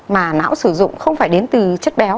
mà não sử dụng không phải đến từ chất béo